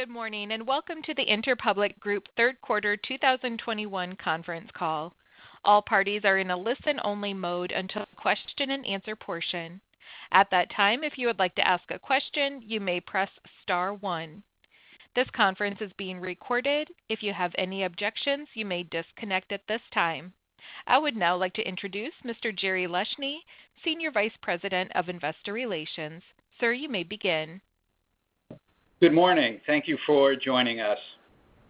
Good morning, and welcome to the Interpublic Group third quarter 2021 conference call. All parties are in a listen-only mode until the question and answer portion. At that time, if you would like to ask a question, you may press star one. This conference is being recorded. If you have any objections, you may disconnect at this time. I would now like to introduce Mr. Jerry Leshne, Senior Vice President of Investor Relations. Sir, you may begin. Good morning. Thank Thank you for joining us.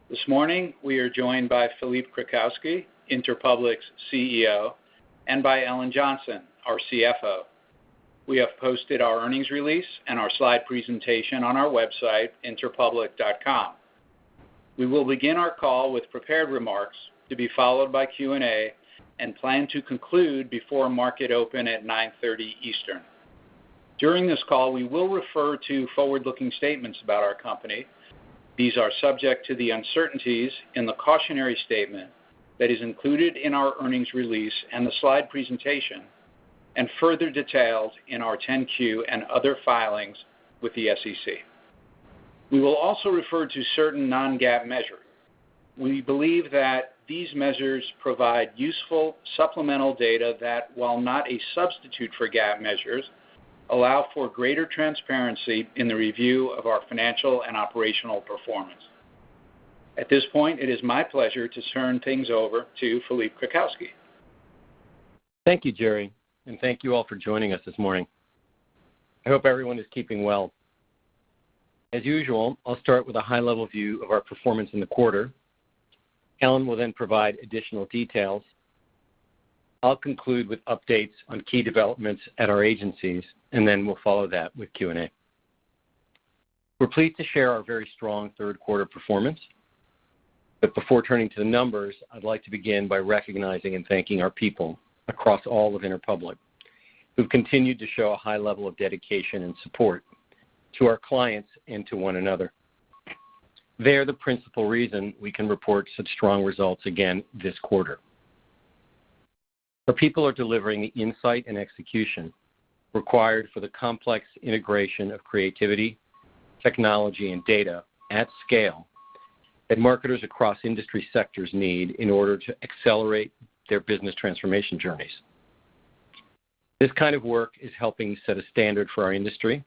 This morning, we are joined by Philippe Krakowsky, Interpublic's CEO, and by Ellen Johnson, our CFO. We have posted our earnings release and our slide presentation on our website, interpublic.com. We will begin our call with prepared remarks, to be followed by Q&A, and plan to conclude before market open at 9:30 A.M. Eastern. During this call, we will refer to forward-looking statements about our company. These are subject to the uncertainties in the cautionary statement that is included in our earnings release and the slide presentation, and further details in our 10-Q and other filings with the SEC. We will also refer to certain non-GAAP measures. We believe that these measures provide useful supplemental data that, while not a substitute for GAAP measures, allow for greater transparency in the review of our financial and operational performance. At this point, it is my pleasure to turn things over to Philippe Krakowsky. Thank you, Jerry Leshne, thank you all for joining us this morning. I hope everyone is keeping well. As usual, I'll start with a high-level view of our performance in the quarter. Ellen will provide additional details. I'll conclude with updates on key developments at our agencies, we'll follow that with Q&A. We're pleased to share our very strong third quarter performance. Before turning to the numbers, I'd like to begin by recognizing and thanking our people across all of Interpublic who've continued to show a high level of dedication and support to our clients and to one another. They are the principal reason we can report such strong results again this quarter. Our people are delivering the insight and execution required for the complex integration of creativity, technology, and data at scale that marketers across industry sectors need in order to accelerate their business transformation journeys. This kind of work is helping set a standard for our industry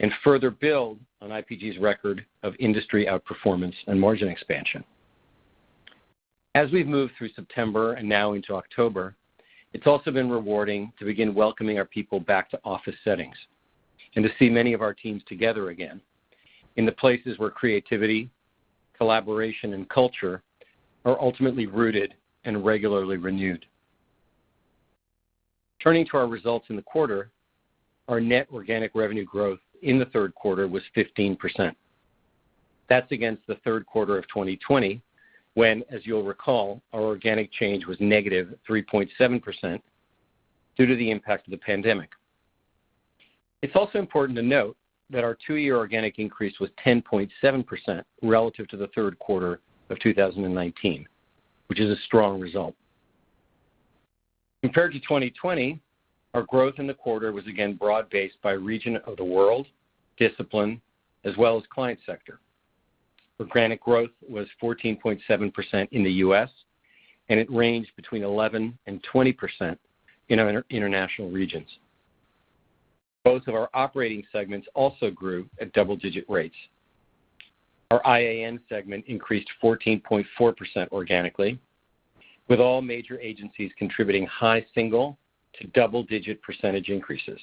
and further build on IPG's record of industry outperformance and margin expansion. As we've moved through September and now into October, it's also been rewarding to begin welcoming our people back to office settings and to see many of our teams together again in the places where creativity, collaboration, and culture are ultimately rooted and regularly renewed. Turning to our results in the quarter, our net organic revenue growth in the third quarter was 15%. That's against the third quarter of 2020, when, as you'll recall, our organic change was negative 3.7% due to the impact of the pandemic. It's also important to note that our two-year organic increase was 10.7% relative to the third quarter of 2019, which is a strong result. Compared to 2020, our growth in the quarter was again broad-based by region of the world, discipline, as well as client sector. Organic growth was 14.7% in the U.S., and it ranged between 11% and 20% in our international regions. Both of our operating segments also grew at double-digit rates. Our IAN segment increased 14.4% organically, with all major agencies contributing high single to double-digit percentage increases.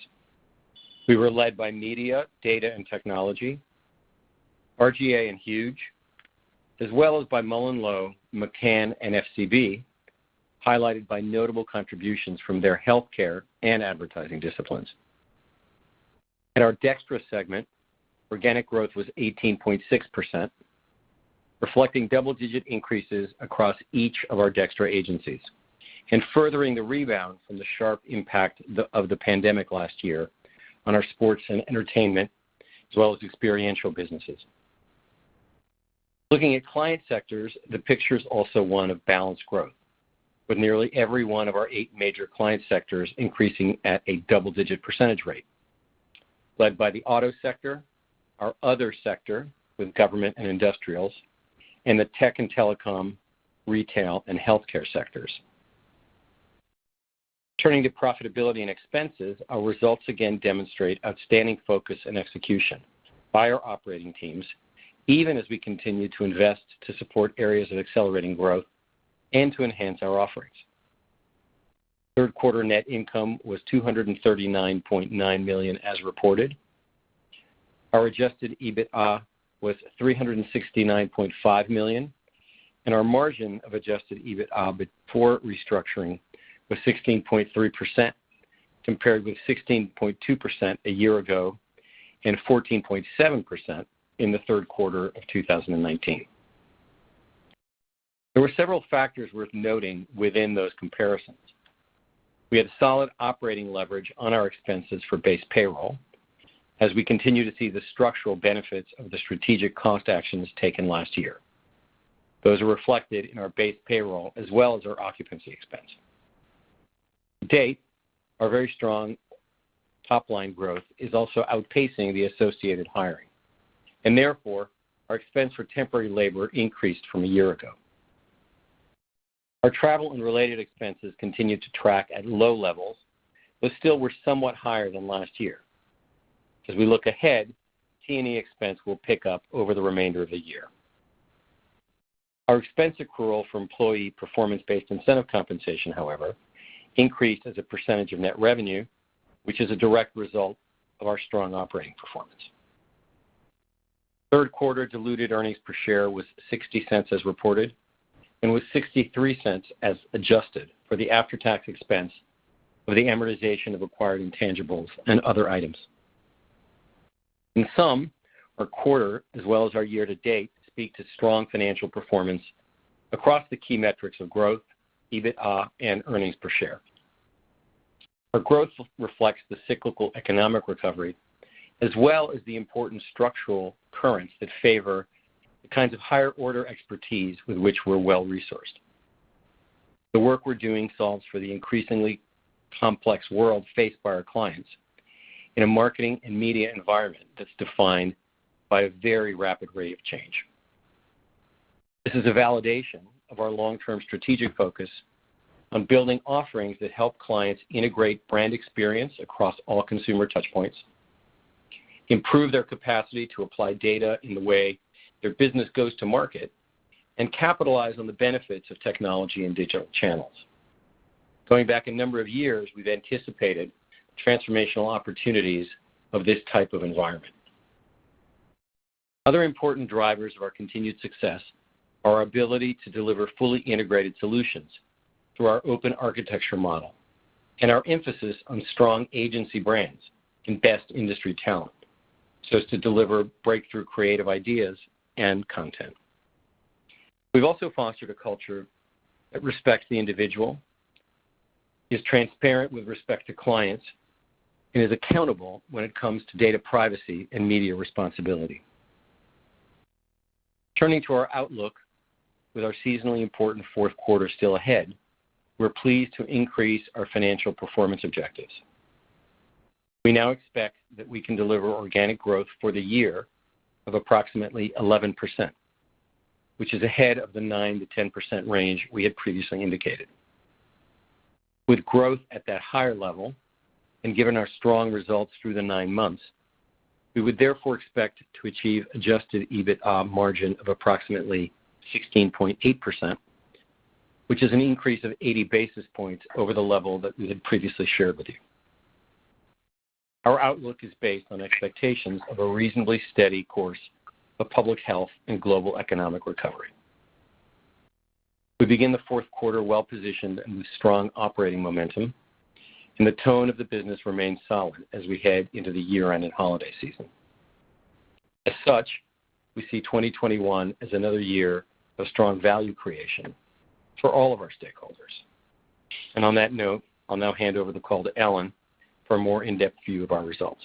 We were led by media, data, and technology, R/GA and Huge, as well as by MullenLowe, McCann, and FCB, highlighted by notable contributions from their healthcare and advertising disciplines. In our DXTRA segment, organic growth was 18.6%, reflecting double-digit increases across each of our DXTRA agencies and furthering the rebound from the sharp impact of the pandemic last year on our sports and entertainment, as well as experiential businesses. Looking at client sectors, the picture is also one of balanced growth, with nearly every one of our 8 major client sectors increasing at a double-digit percentage rate, led by the auto sector, our other sector, with government and industrials, and the tech and telecom, retail, and healthcare sectors. Turning to profitability and expenses, our results again demonstrate outstanding focus and execution by our operating teams, even as we continue to invest to support areas of accelerating growth and to enhance our offerings. Third-quarter net income was $239.9 million as reported. Our adjusted EBITA was $369.5 million, and our margin of adjusted EBITA before restructuring was 16.3%, compared with 16.2% a year ago and 14.7% in the third quarter of 2019. There were several factors worth noting within those comparisons. We had solid operating leverage on our expenses for base payroll as we continue to see the structural benefits of the strategic cost actions taken last year. Those are reflected in our base payroll as well as our occupancy expense. To date, our very strong top-line growth is also outpacing the associated hiring, and therefore, our expense for temporary labor increased from a year ago. Our travel and related expenses continued to track at low levels, but still were somewhat higher than last year. As we look ahead, T&E expense will pick up over the remainder of the year. Our expense accrual for employee performance-based incentive compensation, however, increased as a percentage of net revenue, which is a direct result of our strong operating performance. Third quarter diluted earnings per share was $0.60 as reported, and was $0.63 as adjusted for the after-tax expense of the amortization of acquired intangibles and other items. In sum, our quarter, as well as our year to date, speak to strong financial performance across the key metrics of growth, EBITA, and earnings per share. Our growth reflects the cyclical economic recovery, as well as the important structural currents that favor the kinds of higher order expertise with which we're well-resourced. The work we're doing solves for the increasingly complex world faced by our clients in a marketing and media environment that's defined by a very rapid rate of change. This is a validation of our long-term strategic focus on building offerings that help clients integrate brand experience across all consumer touch points, improve their capacity to apply data in the way their business goes to market, and capitalize on the benefits of technology and digital channels. Going back a number of years, we've anticipated transformational opportunities of this type of environment. Other important drivers of our continued success are our ability to deliver fully integrated solutions through our open architecture model and our emphasis on strong agency brands and best industry talent, so as to deliver breakthrough creative ideas and content. We've also fostered a culture that respects the individual, is transparent with respect to clients, and is accountable when it comes to data privacy and media responsibility. Turning to our outlook with our seasonally important fourth quarter still ahead, we're pleased to increase our financial performance objectives. We now expect that we can deliver organic growth for the year of approximately 11%, which is ahead of the 9%-10% range we had previously indicated. With growth at that higher level, and given our strong results through the 9 months, we would therefore expect to achieve adjusted EBITA margin of approximately 16.8%, which is an increase of 80 basis points over the level that we had previously shared with you. Our outlook is based on expectations of a reasonably steady course of public health and global economic recovery. We begin the fourth quarter well-positioned and with strong operating momentum. The tone of the business remains solid as we head into the year-end and holiday season. As such, we see 2021 as another year of strong value creation for all of our stakeholders. On that note, I'll now hand over the call to Ellen for a more in-depth view of our results.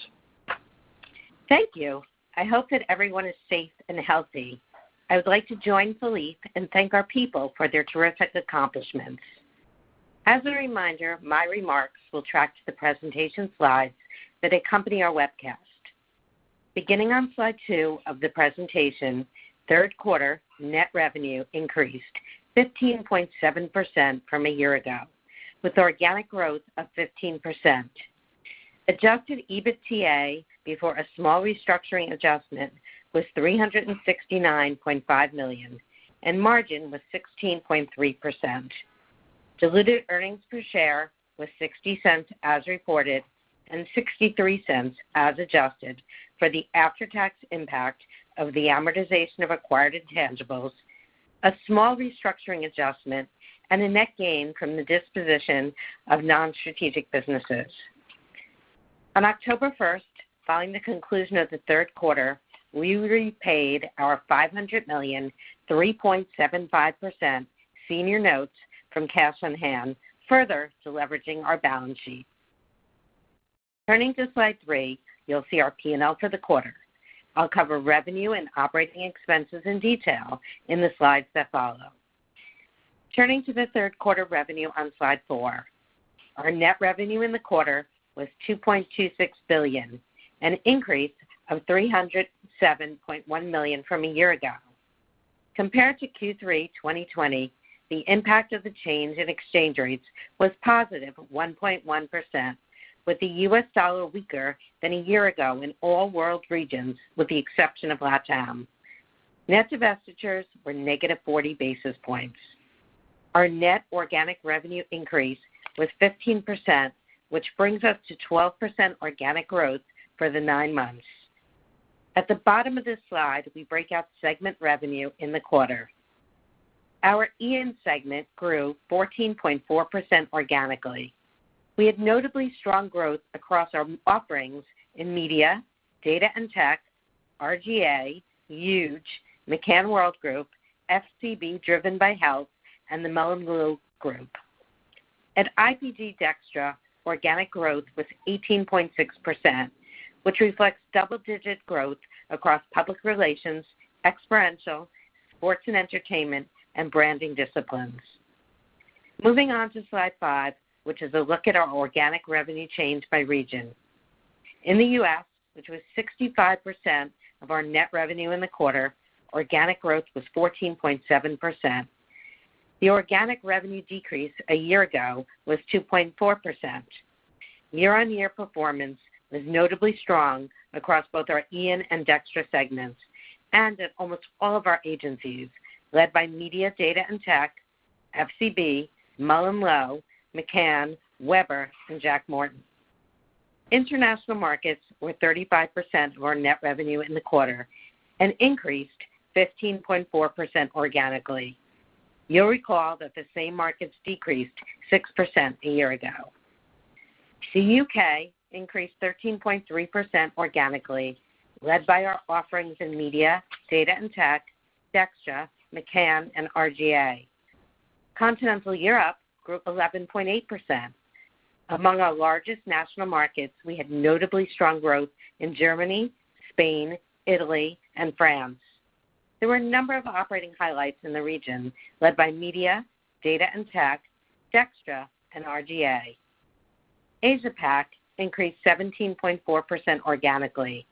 Thank you. I hope that everyone is safe and healthy. I would like to join Philippe and thank our people for their terrific accomplishments. As a reminder, my remarks will track to the presentation slides that accompany our webcast. Beginning on slide 2 of the presentation, third quarter net revenue increased 15.7% from a year ago, with organic growth of 15%. Adjusted EBITDA, before a small restructuring adjustment, was $369.5 million, and margin was 16.3%. Diluted earnings per share were $0.60 as reported, and $0.63 as adjusted for the after-tax impact of the amortization of acquired intangibles, a small restructuring adjustment, and a net gain from the disposition of non-strategic businesses. On October 1st, following the conclusion of the third quarter, we repaid our $500 million, 3.75% senior notes from cash on hand, further deleveraging our balance sheet. Turning to slide 3, you'll see our P&L for the quarter. I'll cover revenue and operating expenses in detail in the slides that follow. Turning to the third quarter revenue on slide 4, our net revenue in the quarter was $2.26 billion, an increase of $307.1 million from a year ago. Compared to Q3 2020, the impact of the change in exchange rates was positive 1.1%, with the US dollar weaker than a year ago in all world regions, with the exception of LATAM. Net divestitures were negative 40 basis points. Our net organic revenue increase was 15%, which brings us to 12% organic growth for the nine months. At the bottom of this slide, we break out segment revenue in the quarter. Our EN segment grew 14.4% organically. We had notably strong growth across our offerings in media, data and tech, R/GA, Huge, McCann Worldgroup, FCB, driven by health, and the MullenLowe Group. At IPG DXTRA, organic growth was 18.6%, which reflects double-digit growth across public relations, experiential, sports and entertainment, and branding disciplines. Moving on to slide five, which is a look at our organic revenue change by region. In the U.S., which was 65% of our net revenue in the quarter, organic growth was 14.7%. The organic revenue decrease a year ago was 2.4%. Year-on-year performance was notably strong across both our IAN and DXTRA segments, and at almost all of our agencies, led by Media, Data, and Tech, FCB, MullenLowe, McCann, Weber, and Jack Morton. International markets were 35% of our net revenue in the quarter, and increased 15.4% organically. You'll recall that the same markets decreased 6% a year ago. The U.K. increased 13.3% organically, led by our offerings in Media, Data, and Tech, DXTRA, McCann, and R/GA. Continental Europe grew 11.8%. Among our largest national markets, we had notably strong growth in Germany, Spain, Italy, and France. There were a number of operating highlights in the region, led by Media, Data, and Tech, DXTRA, and R/GA. Asia Pac increased 17.4% organically,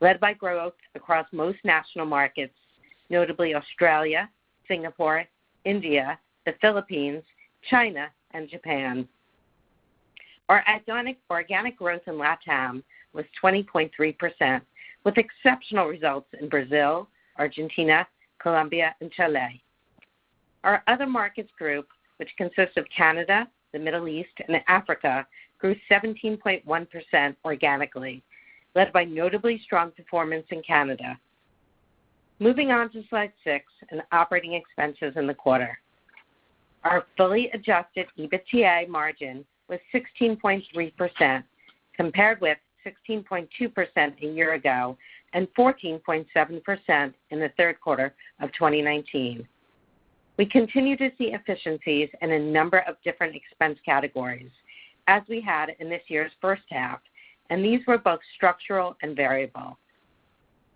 led by growth across most national markets, notably Australia, Singapore, India, the Philippines, China, and Japan. Our organic growth in LATAM was 20.3%, with exceptional results in Brazil, Argentina, Colombia, and Chile. Our other markets group, which consists of Canada, the Middle East, and Africa, grew 17.1% organically, led by notably strong performance in Canada. Moving on to slide 6 and operating expenses in the quarter. Our fully adjusted EBITDA margin was 16.3%, compared with 16.2% a year ago, and 14.7% in the third quarter of 2019. We continue to see efficiencies in a number of different expense categories, as we had in this year's first half, and these were both structural and variable.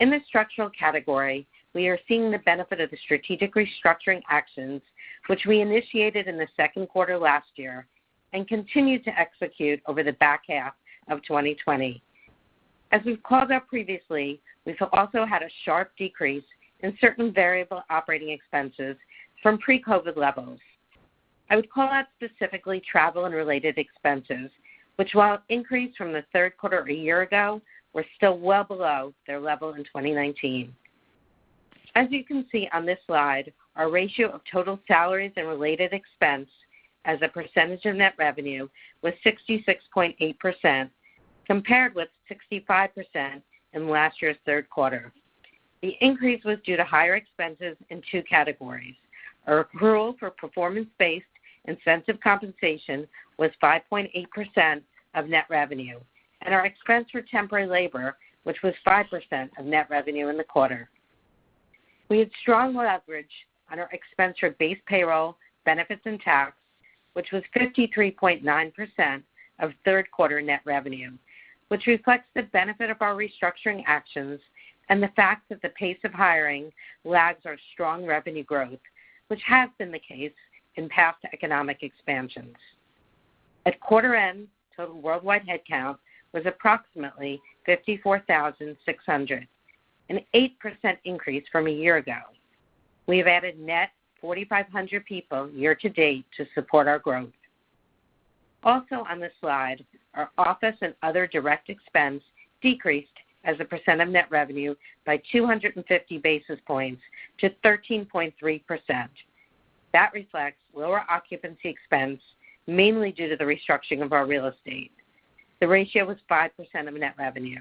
In the structural category, we are seeing the benefit of the strategic restructuring actions which we initiated in the second quarter last year and continue to execute over the back half of 2020. As we've called out previously, we've also had a sharp decrease in certain variable operating expenses from pre-COVID levels. I would call out specifically travel and related expenses, which while increased from the third quarter a year ago, were still well below their level in 2019. As you can see on this slide, our ratio of total salaries and related expense as a percentage of net revenue was 66.8%, compared with 65% in last year's third quarter. The increase was due to higher expenses in two categories. Our accrual for performance-based incentive compensation was 5.8% of net revenue, and our expense for temporary labor, which was 5% of net revenue in the quarter. We had strong leverage on our expense for base payroll, benefits, and tax, which was 53.9% of third quarter net revenue, which reflects the benefit of our restructuring actions and the fact that the pace of hiring lags our strong revenue growth, which has been the case in past economic expansions. At quarter end, total worldwide headcount was approximately 54,600, an 8% increase from a year ago. We have added net 4,500 people year to date to support our growth. Also on this slide, our office and other direct expense decreased as a percent of net revenue by 250 basis points to 13.3%. That reflects lower occupancy expense, mainly due to the restructuring of our real estate. The ratio was 5% of net revenue.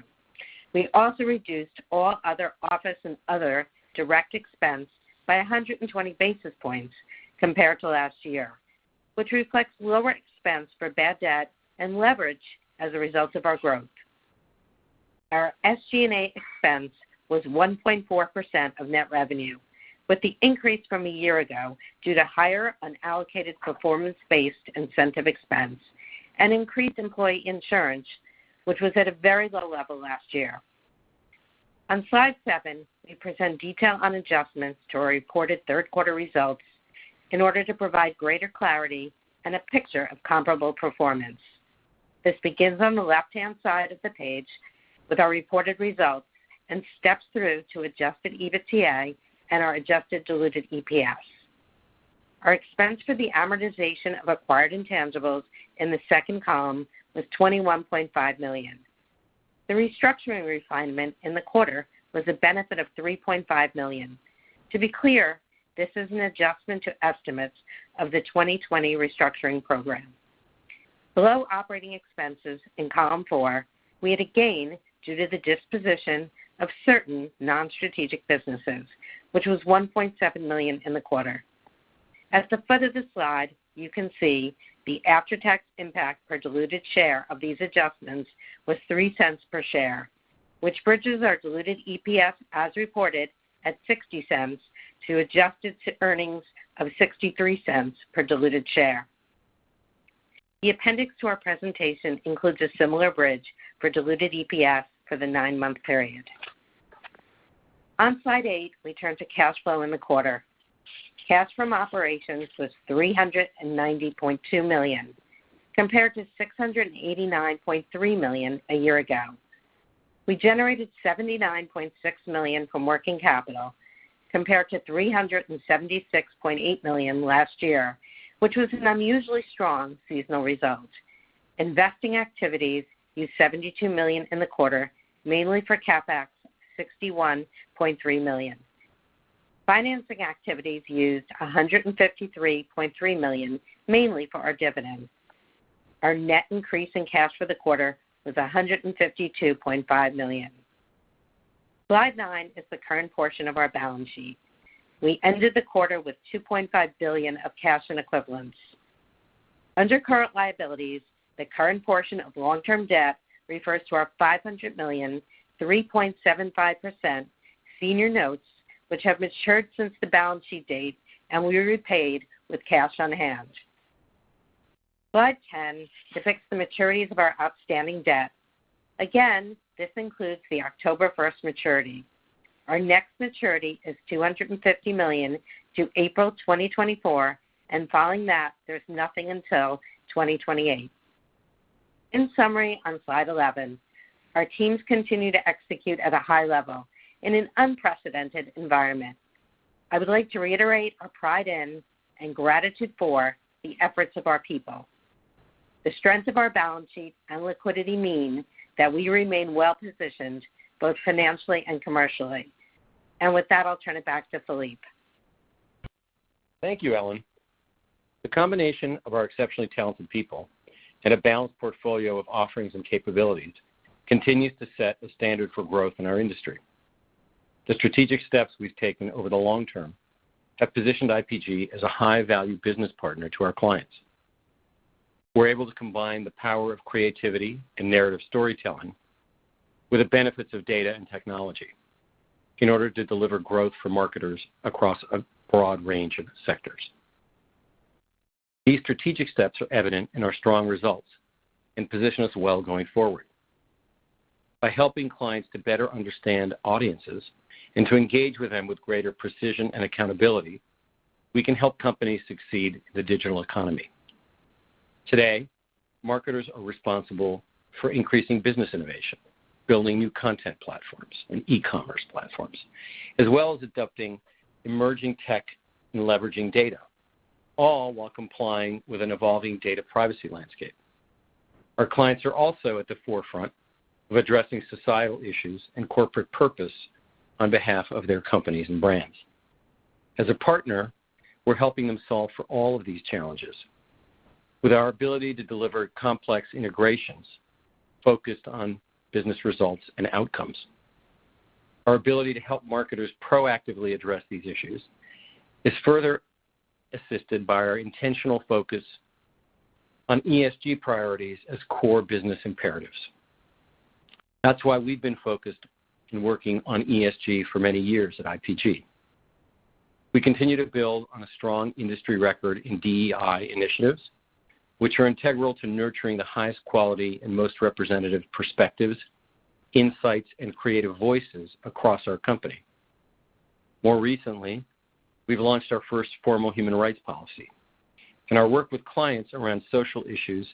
We also reduced all other office and other direct expense by 120 basis points compared to last year, which reflects lower expense for bad debt and leverage as a result of our growth. Our SG&A expense was 1.4% of net revenue, with the increase from a year ago due to higher unallocated performance-based incentive expense and increased employee insurance, which was at a very low level last year. On slide 7, we present detail on adjustments to our reported third quarter results in order to provide greater clarity and a picture of comparable performance. This begins on the left-hand side of the page with our reported results and steps through to adjusted EBITDA and our adjusted diluted EPS. Our expense for the amortization of acquired intangibles in the second column was $21.5 million. The restructuring refinement in the quarter was a benefit of $3.5 million. To be clear, this is an adjustment to estimates of the 2020 restructuring program. Below operating expenses in column 4, we had a gain due to the disposition of certain non-strategic businesses, which was $1.7 million in the quarter. At the foot of the slide, you can see the after-tax impact per diluted share of these adjustments was $0.03 per share, which bridges our diluted EPS as reported at $0.60 to adjusted to earnings of $0.63 per diluted share. The appendix to our presentation includes a similar bridge for diluted EPS for the nine-month period. On slide 8, we turn to cash flow in the quarter. Cash from operations was $390.2 million, compared to $689.3 million a year ago. We generated $79.6 million from working capital, compared to $376.8 million last year, which was an unusually strong seasonal result. Investing activities used $72 million in the quarter, mainly for CapEx, $61.3 million. Financing activities used $153.3 million, mainly for our dividends. Our net increase in cash for the quarter was $152.5 million. Slide 9 is the current portion of our balance sheet. We ended the quarter with $2.5 billion of cash and equivalents. Under current liabilities, the current portion of long-term debt refers to our $500 million, 3.75% senior notes, which have matured since the balance sheet date and will be repaid with cash on hand. Slide 10 depicts the maturities of our outstanding debt. Again, this includes the October 1st maturity. Our next maturity is $250 million due April 2024, and following that, there's nothing until 2028. In summary, on slide 11, our teams continue to execute at a high level in an unprecedented environment. I would like to reiterate our pride in, and gratitude for, the efforts of our people. The strength of our balance sheet and liquidity mean that we remain well positioned both financially and commercially. With that, I'll turn it back to Philippe. Thank you, Ellen. The combination of our exceptionally talented people and a balanced portfolio of offerings and capabilities continues to set the standard for growth in our industry. The strategic steps we've taken over the long term have positioned IPG as a high-value business partner to our clients. We're able to combine the power of creativity and narrative storytelling with the benefits of data and technology in order to deliver growth for marketers across a broad range of sectors. These strategic steps are evident in our strong results and position us well going forward. By helping clients to better understand audiences and to engage with them with greater precision and accountability, we can help companies succeed in the digital economy. Today, marketers are responsible for increasing business innovation, building new content platforms and e-commerce platforms, as well as adopting emerging tech and leveraging data, all while complying with an evolving data privacy landscape. Our clients are also at the forefront of addressing societal issues and corporate purpose on behalf of their companies and brands. As a partner, we're helping them solve for all of these challenges with our ability to deliver complex integrations focused on business results and outcomes. Our ability to help marketers proactively address these issues is further assisted by our intentional focus on ESG priorities as core business imperatives. That's why we've been focused on working on ESG for many years at IPG. We continue to build on a strong industry record in DEI initiatives, which are integral to nurturing the highest quality and most representative perspectives, insights, and creative voices across our company. More recently, we've launched our first formal human rights policy. Our work with clients around social issues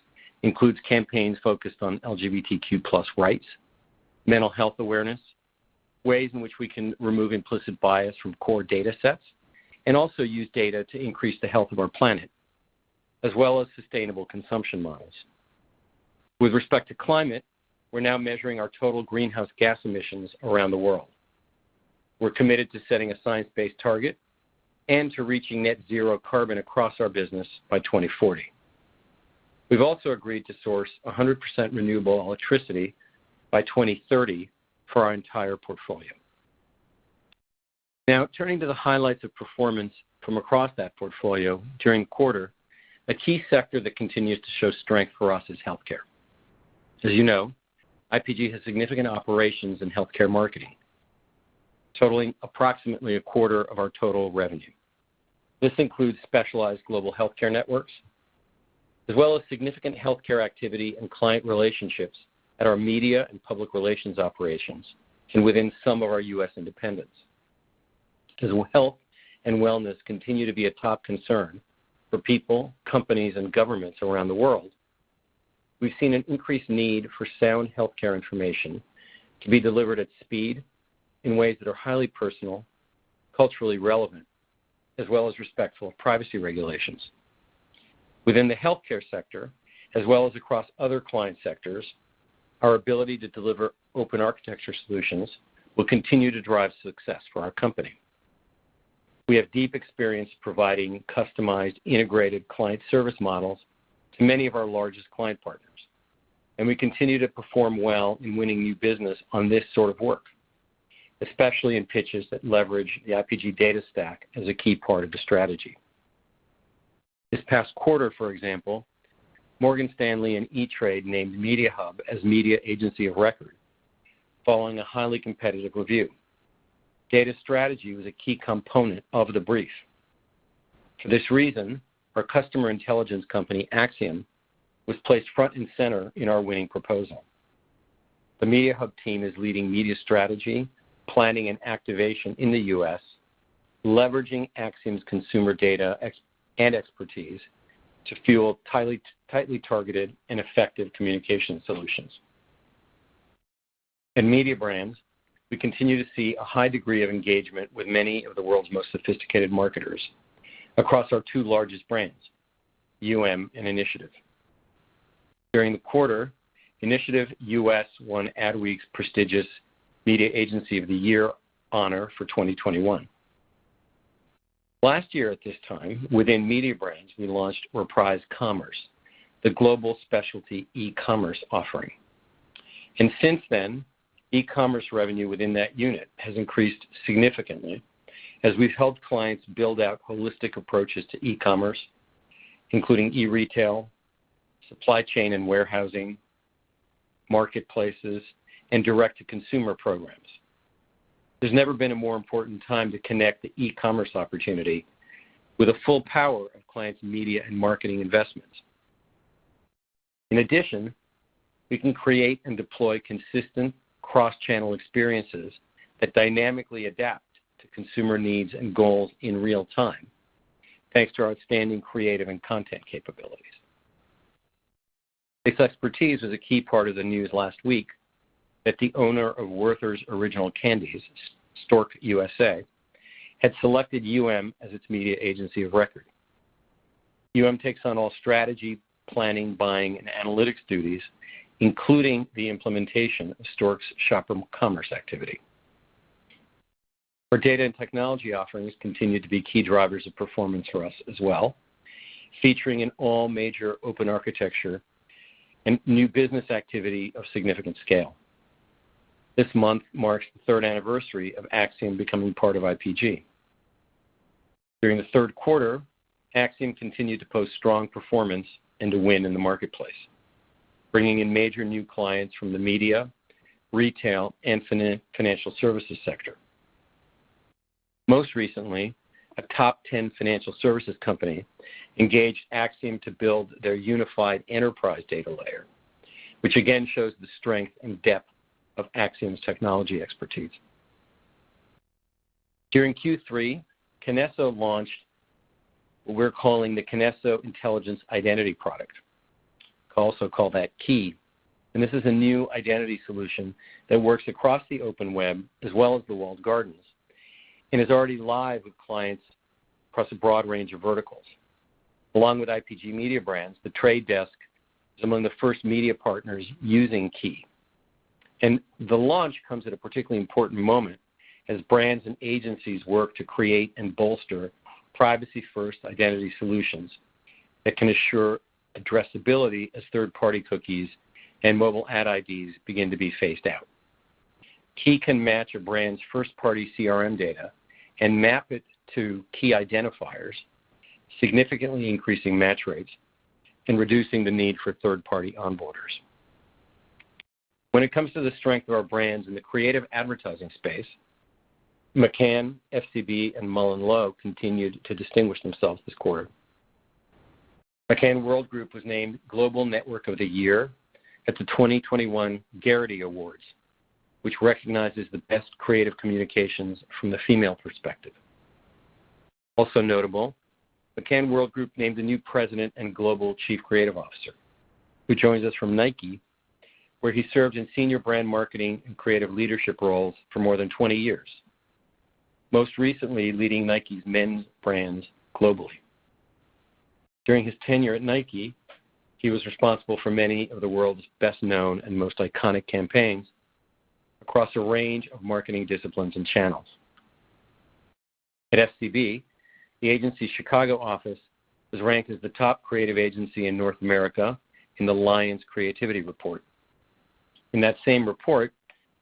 includes campaigns focused on LGBTQ+ rights, mental health awareness, ways in which we can remove implicit bias from core data sets, and also use data to increase the health of our planet, as well as sustainable consumption models. With respect to climate, we're now measuring our total greenhouse gas emissions around the world. We're committed to setting a science-based target and to reaching net zero carbon across our business by 2040. We've also agreed to source 100% renewable electricity by 2030 for our entire portfolio. Turning to the highlights of performance from across that portfolio during the quarter, a key sector that continues to show strength for us is healthcare. As you know, IPG has significant operations in healthcare marketing, totaling approximately a quarter of our total revenue. This includes specialized global healthcare networks, as well as significant healthcare activity and client relationships at our media and public relations operations and within some of our U.S. independents. As health and wellness continue to be a top concern for people, companies, and governments around the world, we've seen an increased need for sound healthcare information to be delivered at speed in ways that are highly personal, culturally relevant, as well as respectful of privacy regulations. Within the healthcare sector, as well as across other client sectors, our ability to deliver open architecture solutions will continue to drive success for our company. We have deep experience providing customized, integrated client service models to many of our largest client partners, and we continue to perform well in winning new business on this sort of work, especially in pitches that leverage the IPG data stack as a key part of the strategy. This past quarter, for example, Morgan Stanley and E*TRADE named Mediahub as media agency of record following a highly competitive review. Data strategy was a key component of the brief. For this reason, our customer intelligence company, Acxiom, was placed front and center in our winning proposal. The Mediahub team is leading media strategy, planning, and activation in the U.S., leveraging Acxiom's consumer data and expertise to fuel tightly targeted and effective communication solutions. In Mediabrands, we continue to see a high degree of engagement with many of the world's most sophisticated marketers across our two largest brands, UM and Initiative. During the quarter, Initiative U.S. won Adweek's prestigious Media Agency of the Year honor for 2021. Last year at this time, within Mediabrands, we launched Reprise Commerce, the global specialty e-commerce offering. Since then, e-commerce revenue within that unit has increased significantly as we've helped clients build out holistic approaches to e-commerce, including e-retail, supply chain and warehousing, marketplaces, and direct-to-consumer programs. There's never been a more important time to connect the e-commerce opportunity with the full power of clients' media and marketing investments. In addition, we can create and deploy consistent cross-channel experiences that dynamically adapt to consumer needs and goals in real time, thanks to our outstanding creative and content capabilities. This expertise was a key part of the news last week that the owner of Werther's Original candies, Storck USA, had selected UM as its media agency of record. UM takes on all strategy, planning, buying, and analytics duties, including the implementation of Storck's shopper commerce activity. Our data and technology offerings continue to be key drivers of performance for us as well, featuring an all major open architecture and new business activity of significant scale. This month marks the third anniversary of Acxiom becoming part of IPG. During the third quarter, Acxiom continued to post strong performance and to win in the marketplace, bringing in major new clients from the media, retail, and financial services sector. Most recently, a top 10 financial services company engaged Acxiom to build their unified enterprise data layer, which again shows the strength and depth of Acxiom's technology expertise. During Q3, Kinesso launched what we're calling the Kinesso Intelligent Identity product. Also call that KII. This is a new identity solution that works across the open web as well as the walled gardens and is already live with clients across a broad range of verticals. Along with IPG Mediabrands, The Trade Desk is among the first media partners using KII. The launch comes at a particularly important moment as brands and agencies work to create and bolster privacy-first identity solutions that can assure addressability as third-party cookies and mobile ad IDs begin to be phased out. KII can match a brand's first-party CRM data and map it to KII identifiers, significantly increasing match rates and reducing the need for third-party onboarders. When it comes to the strength of our brands in the creative advertising space, McCann, FCB, and MullenLowe continued to distinguish themselves this quarter. McCann Worldgroup was named Global Network of the Year at the 2021 Gerety Awards, which recognizes the best creative communications from the female perspective. Also notable, McCann Worldgroup named a new president and global chief creative officer, who joins us from Nike, where he served in senior brand marketing and creative leadership roles for more than 20 years, most recently leading Nike's men's brands globally. During his tenure at Nike, he was responsible for many of the world's best-known and most iconic campaigns across a range of marketing disciplines and channels. At FCB, the agency's Chicago office was ranked as the top creative agency in North America in the Lions Creativity Report. In that same report,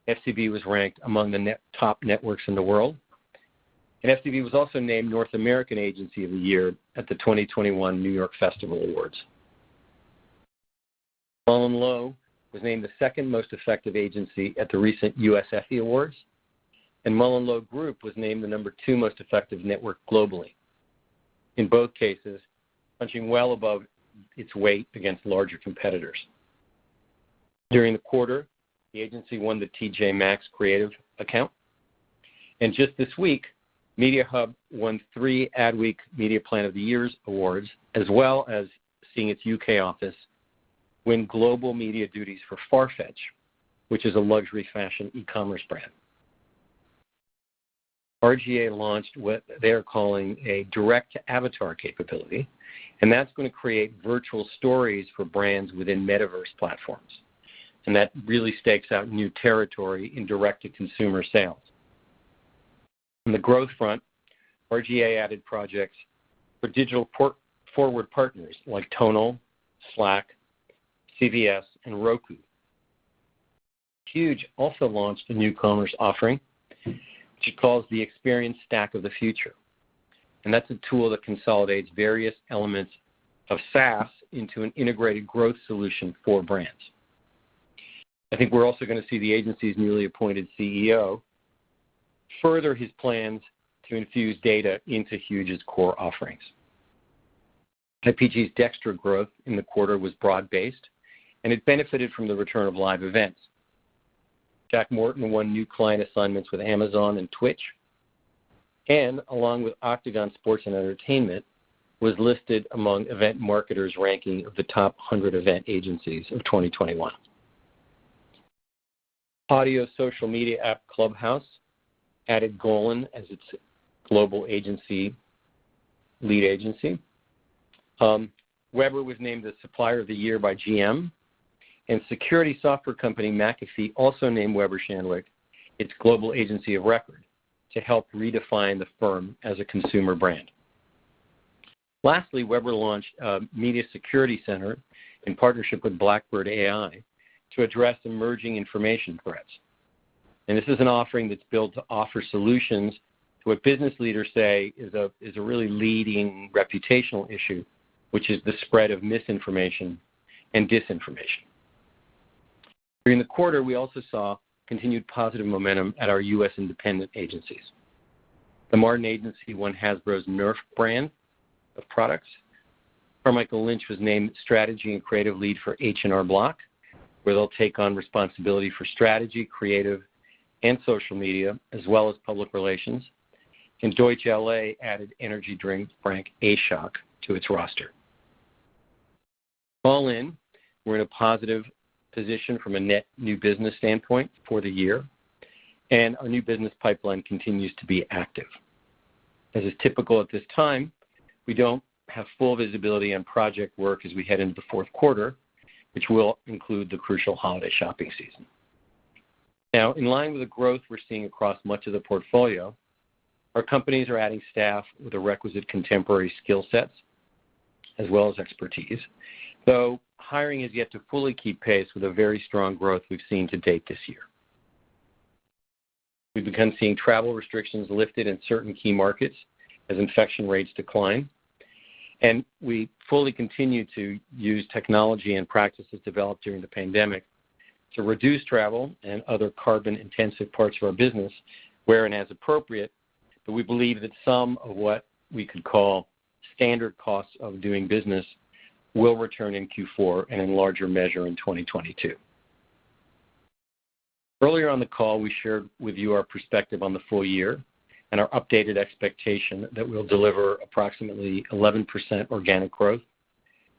FCB was ranked among the top networks in the world, and FCB was also named North American Agency of the Year at the 2021 New York Festivals Advertising Awards. MullenLowe was named the second most effective agency at the recent US Effie Awards, and MullenLowe Group was named the number 2 most effective network globally, in both cases punching well above its weight against larger competitors. During the quarter, the agency won the T.J.Maxx creative account, and just this week, Mediahub won three Adweek Media Plan of the Year awards, as well as seeing its U.K. office win global media duties for Farfetch, which is a luxury fashion e-commerce brand. R/GA launched what they are calling a direct avatar capability, and that's going to create virtual stories for brands within metaverse platforms, and that really stakes out new territory in direct-to-consumer sales. On the growth front, R/GA added projects for digital forward partners like Tonal, Slack, CVS, and Roku. Huge also launched a new commerce offering, which it calls the Experience Stack of the Future, and that's a tool that consolidates various elements of SaaS into an integrated growth solution for brands. I think we're also going to see the agency's newly appointed CEO further his plans to infuse data into Huge's core offerings. IPG's DXTRA growth in the quarter was broad-based, and it benefited from the return of live events. Jack Morton won new client assignments with Amazon and Twitch, and along with Octagon Sports & Entertainment, was listed among Event Marketer's ranking of the top 100 event agencies of 2021. Audio social media app Clubhouse added Golin as its global agency, lead agency. Weber was named the Supplier of the Year by GM, and security software company McAfee also named Weber Shandwick its global agency of record to help redefine the firm as a consumer brand. Weber launched a media security center in partnership with Blackbird.ai to address emerging information threats. This is an offering that's built to offer solutions to what business leaders say is a really leading reputational issue, which is the spread of misinformation and disinformation. During the quarter, we also saw continued positive momentum at our U.S. independent agencies. The Martin Agency won Hasbro's Nerf brand of products. Carmichael Lynch was named strategy and creative lead for H&R Block, where they'll take on responsibility for strategy, creative, and social media, as well as public relations. Deutsch LA added energy drink brand A SHOC to its roster. All in, we're in a positive position from a net new business standpoint for the year, and our new business pipeline continues to be active. As is typical at this time, we don't have full visibility on project work as we head into the fourth quarter, which will include the crucial holiday shopping season. In line with the growth we're seeing across much of the portfolio, our companies are adding staff with the requisite contemporary skill sets as well as expertise, though hiring has yet to fully keep pace with the very strong growth we've seen to date this year. We've begun seeing travel restrictions lifted in certain key markets as infection rates decline, and we fully continue to use technology and practices developed during the pandemic to reduce travel and other carbon-intensive parts of our business where and as appropriate, but we believe that some of what we could call standard costs of doing business will return in Q4 and in larger measure in 2022. Earlier on the call, we shared with you our perspective on the full year and our updated expectation that we'll deliver approximately 11% organic growth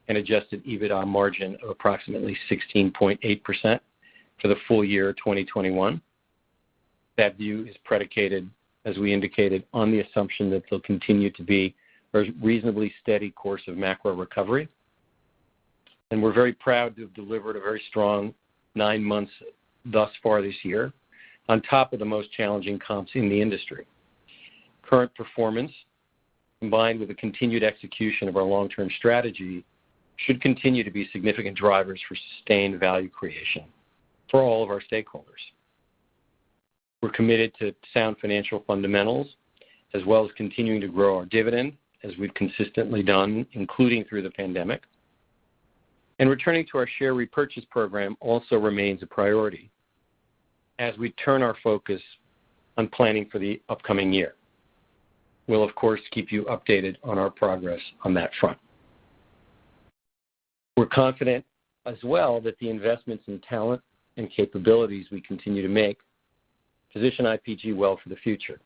and adjusted EBITDA margin of approximately 16.8% for the full year 2021. That view is predicated, as we indicated, on the assumption that there'll continue to be a reasonably steady course of macro recovery. We're very proud to have delivered a very strong nine months thus far this year on top of the most challenging comps in the industry. Current performance, combined with the continued execution of our long-term strategy, should continue to be significant drivers for sustained value creation for all of our stakeholders. We're committed to sound financial fundamentals, as well as continuing to grow our dividend as we've consistently done, including through the pandemic. Returning to our share repurchase program also remains a priority as we turn our focus on planning for the upcoming year. We'll of course, keep you updated on our progress on that front. We're confident as well that the investments in talent and capabilities we continue to make position IPG well for the future.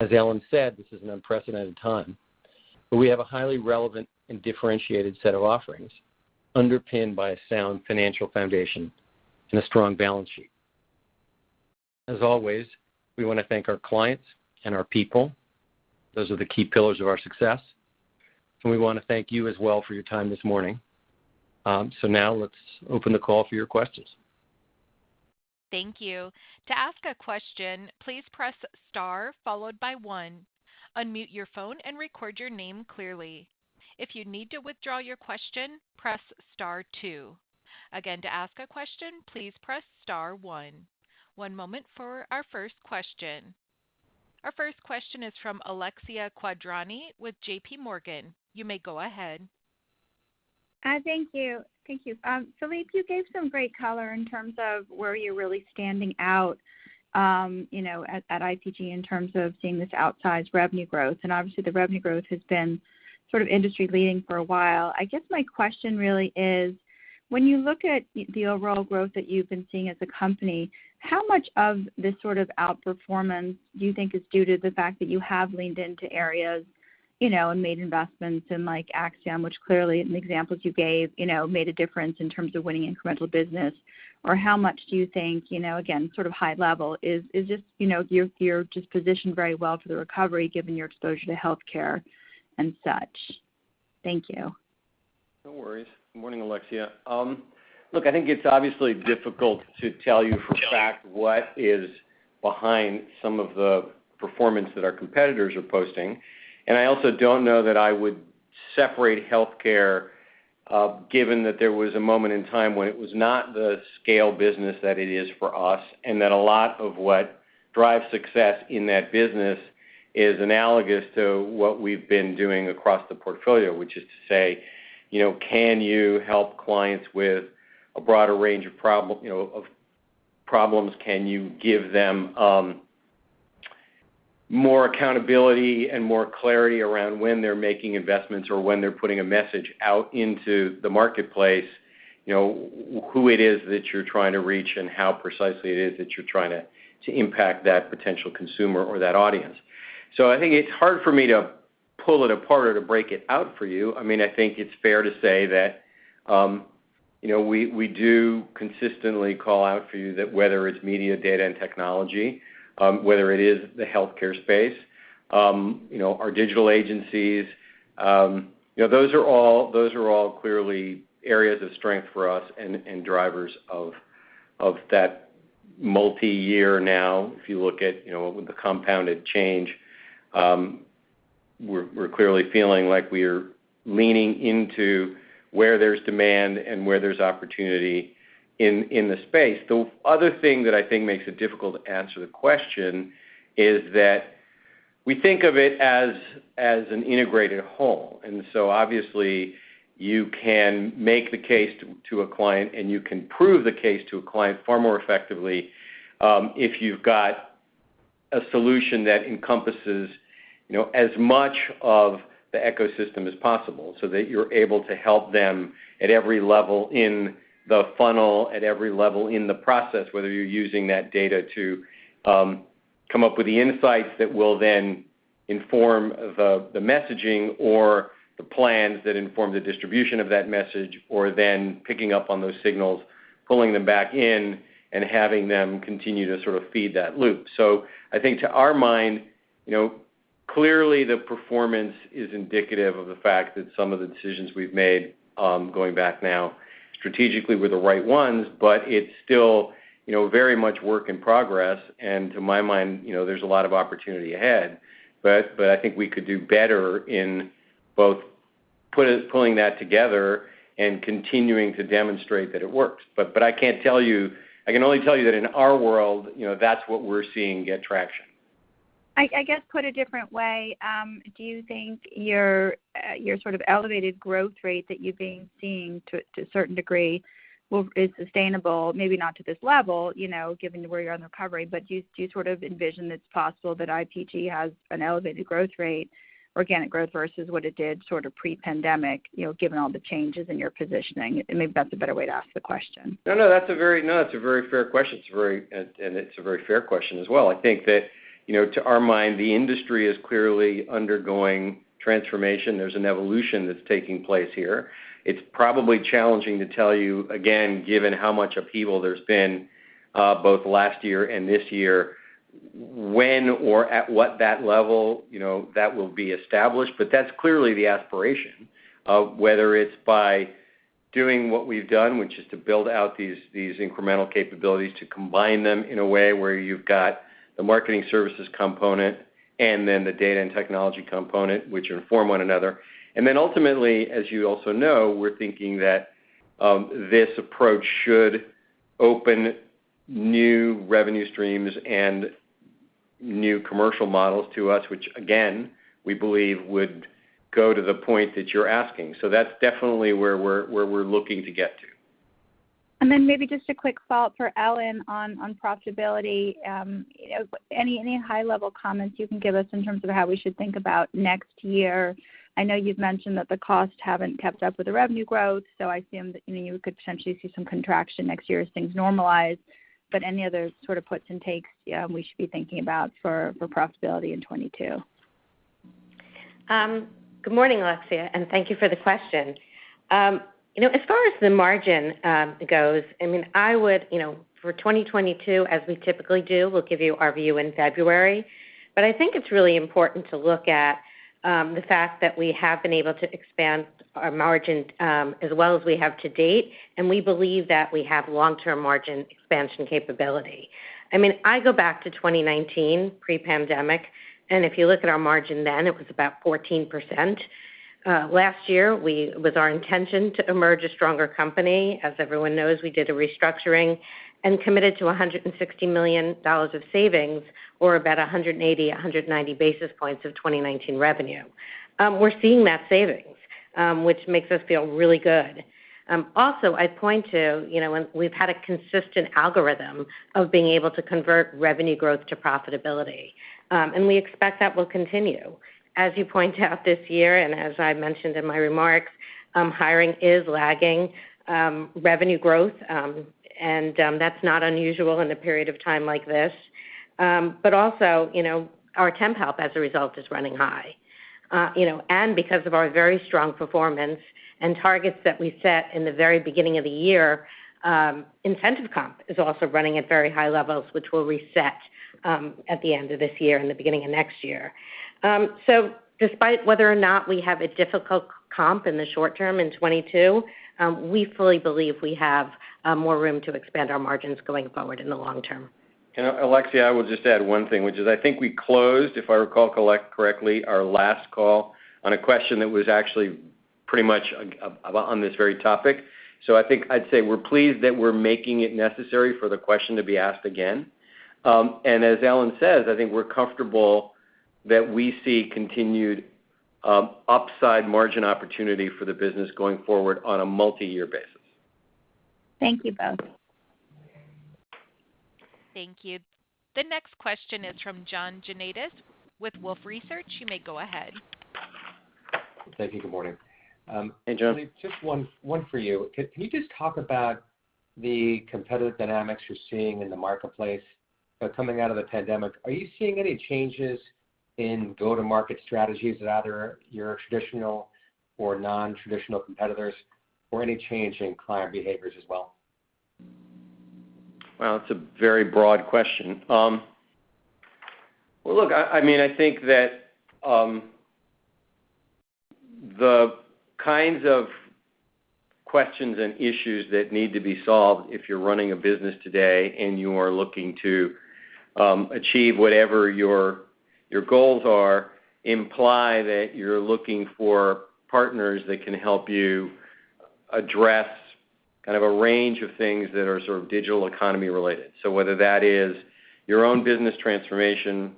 As Ellen said, this is an unprecedented time, but we have a highly relevant and differentiated set of offerings underpinned by a sound financial foundation and a strong balance sheet. As always, we want to thank our clients and our people. Those are the key pillars of our success, and we want to thank you as well for your time this morning. Now let's open the call for your questions. Thank you. Our first question is from Alexia Quadrani with JP Morgan. You may go ahead. Thank you. Philippe, you gave some great color in terms of where you're really standing out at IPG in terms of seeing this outsized revenue growth, and obviously the revenue growth has been sort of industry leading for a while. I guess my question really is, when you look at the overall growth that you've been seeing as a company, how much of this sort of outperformance do you think is due to the fact that you have leaned into areas and made investments in like Acxiom, which clearly in the examples you gave, made a difference in terms of winning incremental business? How much do you think, again, sort of high level, is just you're just positioned very well for the recovery given your exposure to healthcare and such? Thank you. No worries. Good morning, Alexia. Look, I think it's obviously difficult to tell you for a fact what is behind some of the performance that our competitors are posting, and I also don't know that I would separate healthcare, given that there was a moment in time when it was not the scale business that it is for us, and that a lot of what drives success in that business is analogous to what we've been doing across the portfolio, which is to say, can you help clients with a broader range of problems? Can you give them more accountability and more clarity around when they're making investments or when they're putting a message out into the marketplace? Who it is that you're trying to reach and how precisely it is that you're trying to impact that potential consumer or that audience? I think it's hard for me to pull it apart or to break it out for you. I think it's fair to say that we do consistently call out for you that whether it's media, data, and technology, whether it is the healthcare space, our digital agencies, those are all clearly areas of strength for us and drivers of that multi-year now. If you look at the compounded change, we're clearly feeling like we are leaning into where there's demand and where there's opportunity in the space. The other thing that I think makes it difficult to answer the question is that we think of it as an integrated whole. Obviously you can make the case to a client, and you can prove the case to a client far more effectively, if you've got a solution that encompasses as much of the ecosystem as possible so that you're able to help them at every level in the funnel, at every level in the process. Whether you're using that data to come up with the insights that will then inform the messaging or the plans that inform the distribution of that message, or then picking up on those signals, pulling them back in and having them continue to sort of feed that loop. I think to our mind, clearly the performance is indicative of the fact that some of the decisions we've made, going back now strategically were the right ones, but it's still very much work in progress. To my mind, there's a lot of opportunity ahead. I think we could do better in both pulling that together and continuing to demonstrate that it works. I can only tell you that in our world, that's what we're seeing get traction. I guess put a different way, do you think your sort of elevated growth rate that you've been seeing to a certain degree is sustainable, maybe not to this level, given where you're on the recovery, but do you sort of envision it's possible that IPG has an elevated growth rate, organic growth versus what it did sort of pre-pandemic, given all the changes in your positioning? Maybe that's a better way to ask the question. No, that's a very fair question. It's a very fair question as well. I think that, to our mind, the industry is clearly undergoing transformation. There's an evolution that's taking place here. It's probably challenging to tell you, again, given how much upheaval there's been, both last year and this year, when or at what that level that will be established. That's clearly the aspiration of whether it's by doing what we've done, which is to build out these incremental capabilities, to combine them in a way where you've got the marketing services component and then the data and technology component which inform one another. Ultimately, as you also know, we're thinking that this approach should open new revenue streams and new commercial models to us, which again, we believe would go to the point that you're asking. That's definitely where we're looking to get to. Maybe just a quick follow-up for Ellen on profitability. Any high-level comments you can give us in terms of how we should think about next year? I know you've mentioned that the costs haven't kept up with the revenue growth, so I assume that you could potentially see some contraction next year as things normalize. Any other sort of puts and takes we should be thinking about for profitability in 2022? Good morning, Alexia. Thank you for the question. As far as the margin goes, for 2022, as we typically do, we'll give you our view in February. I think it's really important to look at the fact that we have been able to expand our margins as well as we have to date, and we believe that we have long-term margin expansion capability. I go back to 2019, pre-pandemic, and if you look at our margin then, it was about 14%. Last year, it was our intention to emerge a stronger company. As everyone knows, we did a restructuring and committed to $160 million of savings, or about 180, 190 basis points of 2019 revenue. We're seeing that savings, which makes us feel really good. Also, I'd point to, we've had a consistent algorithm of being able to convert revenue growth to profitability. We expect that will continue. As you point out this year, and as I mentioned in my remarks, hiring is lagging revenue growth, and that's not unusual in a period of time like this. Also, our temp help as a result is running high. Because of our very strong performance and targets that we set in the very beginning of the year, incentive comp is also running at very high levels, which we'll reset at the end of this year and the beginning of next year. Despite whether or not we have a difficult comp in the short term in 2022, we fully believe we have more room to expand our margins going forward in the long term. Alexia, I would just add one thing, which is I think we closed, if I recall correctly, our last call on a question that was pretty much on this very topic. I think I'd say we're pleased that we're making it necessary for the question to be asked again. As Ellen says, I think we're comfortable that we see continued upside margin opportunity for the business going forward on a multi-year basis. Thank you both. Thank you. The next question is from John Janedis with Wolfe Research. You may go ahead. Thank you. Good morning. Philippe, just one for you. Can you just talk about the competitive dynamics you're seeing in the marketplace? Coming out of the pandemic, are you seeing any changes in go-to-market strategies of either your traditional or non-traditional competitors, or any change in client behaviors as well? Well, it's a very broad question. Well, look, I think that the kinds of questions and issues that need to be solved if you're running a business today and you are looking to achieve whatever your goals are, imply that you're looking for partners that can help you address a range of things that are digital economy related. Whether that is your own business transformation,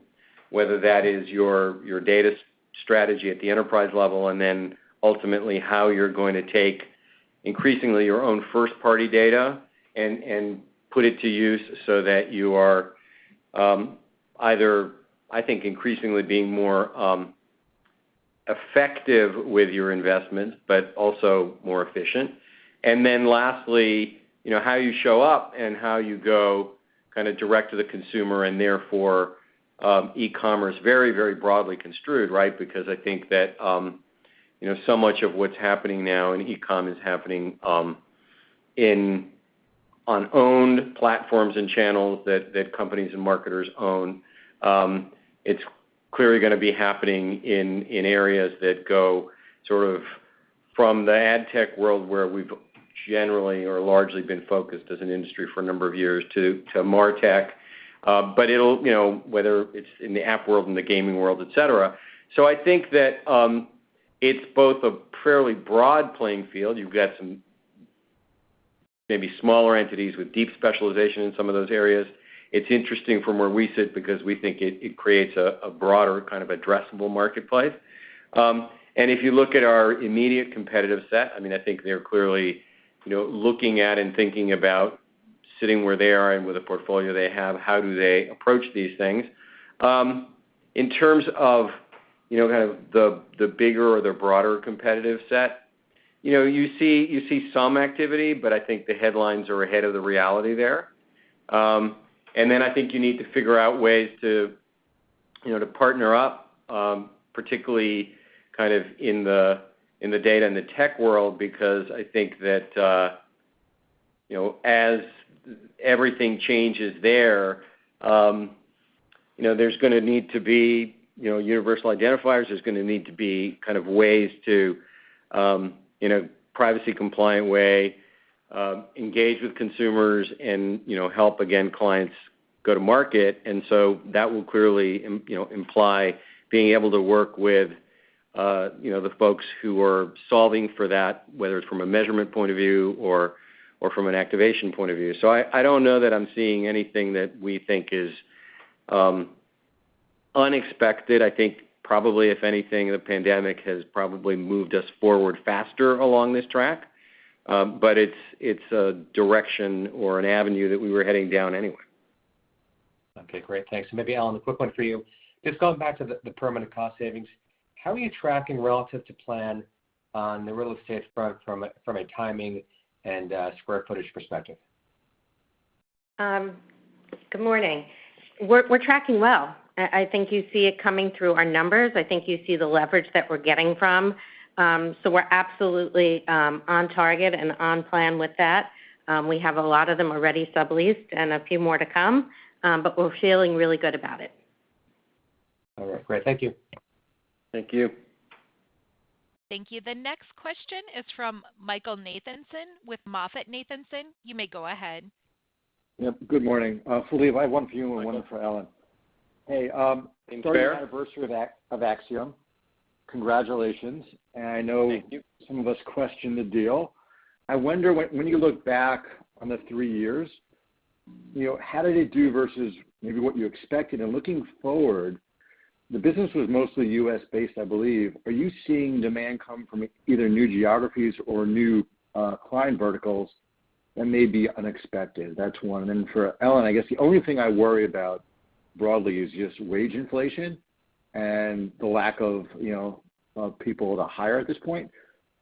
whether that is your data strategy at the enterprise level, and then ultimately how you're going to take increasingly your own first-party data and put it to use so that you are either, I think, increasingly being more effective with your investment, but also more efficient. Lastly, how you show up and how you go direct to the consumer, and therefore, e-commerce very, very broadly construed, right? I think that so much of what's happening now in e-com is happening on owned platforms and channels that companies and marketers own. It's clearly going to be happening in areas that go from the ad tech world, where we've generally or largely been focused as an industry for a number of years to MarTech. Whether it's in the app world, in the gaming world, et cetera. I think that it's both a fairly broad playing field. You've got some maybe smaller entities with deep specialization in some of those areas. It's interesting from where we sit because we think it creates a broader kind of addressable marketplace. If you look at our immediate competitive set, I think they're clearly looking at and thinking about sitting where they are and with the portfolio they have, how do they approach these things? In terms of the bigger or the broader competitive set, you see some activity, but I think the headlines are ahead of the reality there. I think you need to figure out ways to partner up, particularly in the data and the tech world, because I think that as everything changes there's going to need to be universal identifiers. There's going to need to be ways to, in a privacy compliant way, engage with consumers and help, again, clients go to market. That will clearly imply being able to work with the folks who are solving for that, whether it's from a measurement point of view or from an activation point of view. I don't know that I'm seeing anything that we think is unexpected. I think probably, if anything, the pandemic has probably moved us forward faster along this track. It's a direction or an avenue that we were heading down anyway. Okay, great. Thanks. Maybe, Ellen, a quick one for you. Just going back to the permanent cost savings, how are you tracking relative to plan on the real estate front from a timing and square footage perspective? Good morning. We're tracking well. I think you see it coming through our numbers. I think you see the leverage that we're getting from. We're absolutely on target and on plan with that. We have a lot of them already subleased and a few more to come. We're feeling really good about it. All right. Great. Thank you. Thank you. Thank you. The next question is from Michael Nathanson with MoffettNathanson. You may go ahead. Yep. Good morning. Philippe, I have one for you and one for Ellen. Michael. Hey. Being fair. Third anniversary of Acxiom. Congratulations. Thank you. I know some of us questioned the deal. I wonder when you look back on the 3 years, how did it do versus maybe what you expected? Looking forward, the business was mostly U.S.-based, I believe. Are you seeing demand come from either new geographies or new client verticals that may be unexpected? That's 1. Then for Ellen, I guess the only thing I worry about broadly is just wage inflation and the lack of people to hire at this point.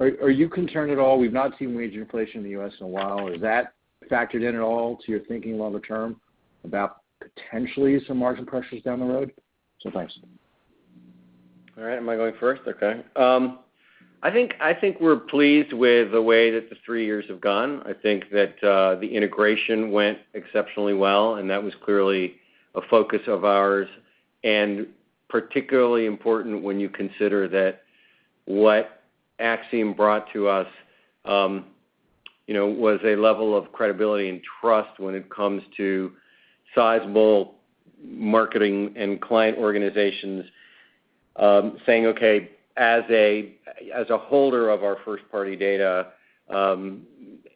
Are you concerned at all? We've not seen wage inflation in the U.S. in a while. Is that factored in at all to your thinking longer term about potentially some margin pressures down the road? Thanks. All right. Am I going first? Okay. I think we're pleased with the way that the three years have gone. I think that the integration went exceptionally well, and that was clearly a focus of ours, and particularly important when you consider that what Acxiom brought to us was a level of credibility and trust when it comes to sizable marketing and client organizations saying, "Okay, as a holder of our first-party data,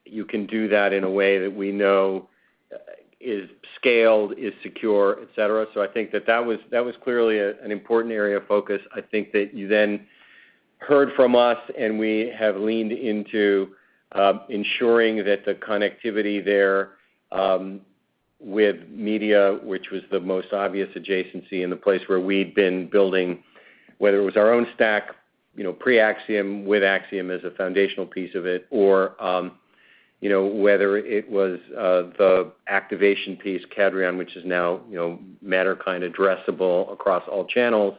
you can do that in a way that we know is scaled, is secure," et cetera. I think that was clearly an important area of focus. I think that you then heard from us. We have leaned into ensuring that the connectivity there with media, which was the most obvious adjacency and the place where we'd been building, whether it was our own stack, pre-Acxiom, with Acxiom as a foundational piece of it, or whether it was the activation piece, Cadreon, which is now Matterkind addressable across all channels.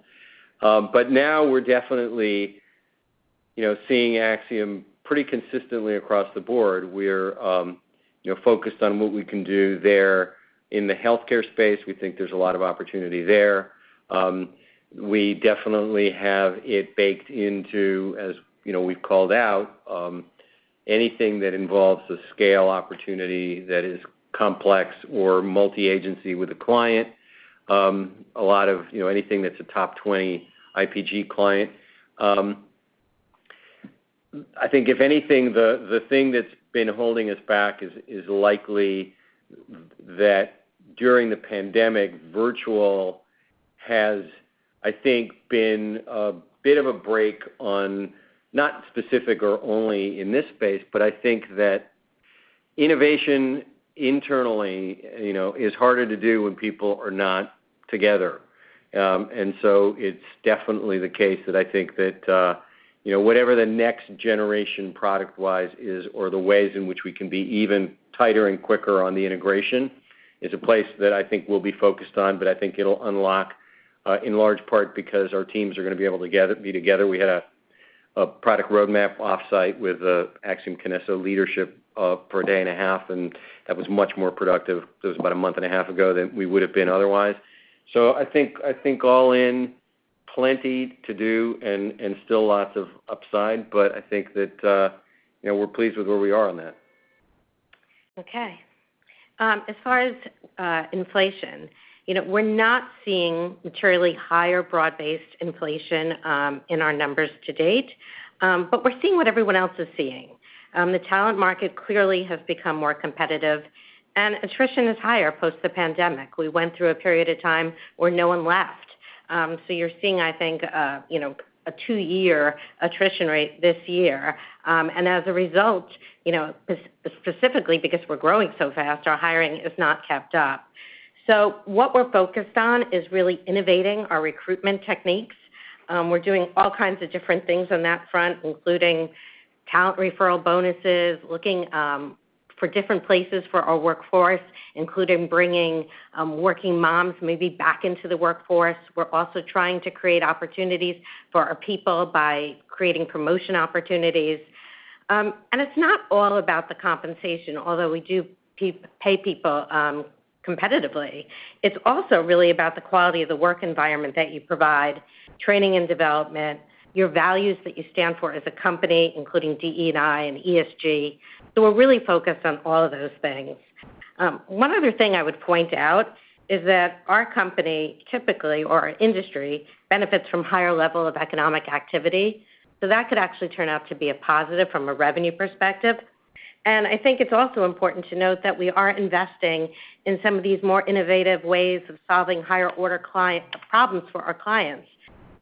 Now we're definitely seeing Acxiom pretty consistently across the board. We're focused on what we can do there in the healthcare space. We think there's a lot of opportunity there. We definitely have it baked into, as we've called out, anything that involves a scale opportunity that is complex or multi-agency with a client. Anything that's a top 20 IPG client. I think if anything, the thing that's been holding us back is likely that during the pandemic, virtual has, I think, been a bit of a break on, not specific or only in this space, but I think that innovation internally is harder to do when people are not together. It's definitely the case that I think that whatever the next generation product-wise is or the ways in which we can be even tighter and quicker on the integration is a place that I think we'll be focused on, but I think it'll unlock in large part because our teams are going to be able to be together. We had a product roadmap offsite with Acxiom Kinesso leadership for a day and a half, and that was much more productive, it was about a month and a half ago, than we would've been otherwise. I think all in, plenty to do and still lots of upside, but I think that we're pleased with where we are on that. As far as inflation, we're not seeing materially higher broad-based inflation in our numbers to date, but we're seeing what everyone else is seeing. The talent market clearly has become more competitive, and attrition is higher post the pandemic. We went through a period of time where no one left. You're seeing, I think, a 2-year attrition rate this year. As a result, specifically because we're growing so fast, our hiring has not kept up. What we're focused on is really innovating our recruitment techniques. We're doing all kinds of different things on that front, including talent referral bonuses, looking for different places for our workforce, including bringing working moms maybe back into the workforce. We're also trying to create opportunities for our people by creating promotion opportunities. It's not all about the compensation, although we do pay people competitively. It's also really about the quality of the work environment that you provide, training and development, your values that you stand for as a company, including DE&I and ESG. We're really focused on all of those things. One other thing I would point out is that our company typically, or our industry, benefits from higher level of economic activity, that could actually turn out to be a positive from a revenue perspective. I think it's also important to note that we are investing in some of these more innovative ways of solving higher order client problems for our clients.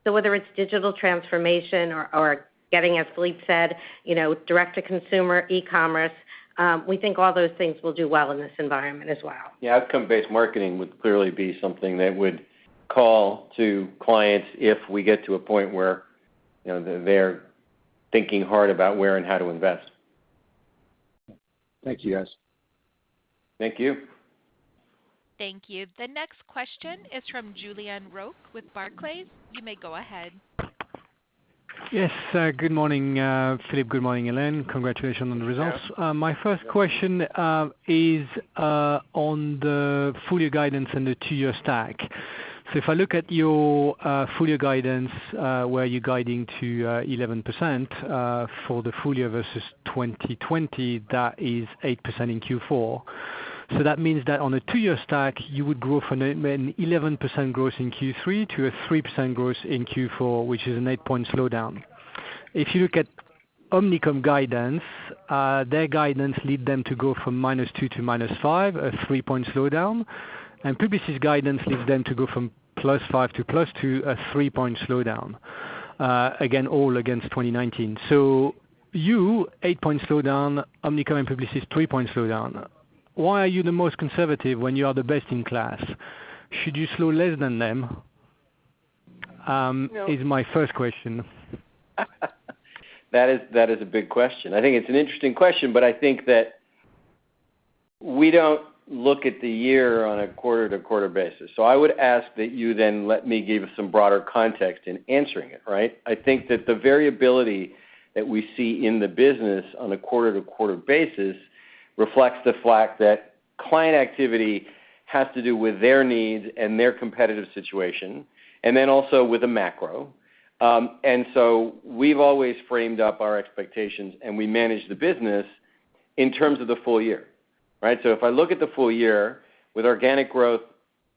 Whether it's digital transformation or getting, as Philippe said, direct to consumer e-commerce, we think all those things will do well in this environment as well. Yeah, outcome-based marketing would clearly be something that would call to clients if we get to a point where they're thinking hard about where and how to invest. Thank you, guys. Thank you. Thank you. The next question is from Julien Roch with Barclays. You may go ahead. Yes. Good morning, Philippe. Good morning, Ellen. Congratulations on the results. Yeah. My first question is on the full year guidance and the two-year stack. If I look at your full year guidance, where you're guiding to 11% for the full year versus 2020, that is 8% in Q4. That means that on a two-year stack, you would grow from an 11% growth in Q3 to a 3% growth in Q4, which is an 8-point slowdown. If you look at Omnicom guidance, their guidance lead them to go from -2 to -5, a 3-point slowdown, and Publicis guidance leads them to go from +5 to +2, a 3-point slowdown. Again, all against 2019. You, 8-point slowdown. Omnicom and Publicis, 3-point slowdown. Why are you the most conservative when you are the best in class? Should you slow less than them? No is my first question. That is a big question. I think it's an interesting question. I think that we don't look at the year on a quarter-to-quarter basis. I would ask that you let me give some broader context in answering it, right? I think that the variability that we see in the business on a quarter-to-quarter basis reflects the fact that client activity has to do with their needs and their competitive situation, also with the macro. We've always framed up our expectations, and we manage the business in terms of the full year. Right? If I look at the full year with organic growth,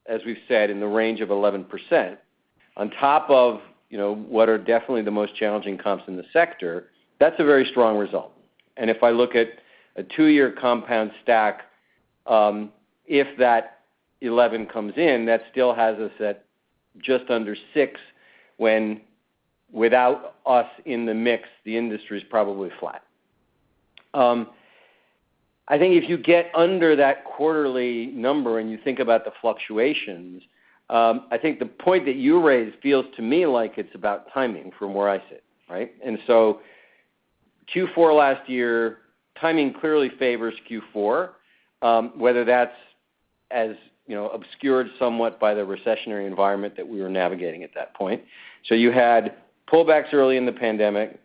as we've said, in the range of 11%, on top of what are definitely the most challenging comps in the sector, that's a very strong result. If I look at a 2-year compound stack, if that 11 comes in, that still has us at just under 6, when without us in the mix, the industry's probably flat. If you get under that quarterly number and you think about the fluctuations, I think the point that you raised feels to me like it's about timing from where I sit. Right? Q4 last year, timing clearly favors Q4, whether that's as obscured somewhat by the recessionary environment that we were navigating at that point. You had pullbacks early in the pandemic.